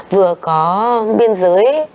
vừa có biên giới